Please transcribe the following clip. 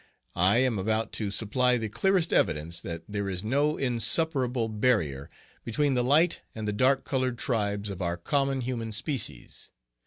I am about to supply the clearest evidence that there is no insuperable barrier between the light and the dark colored tribes of our common human species.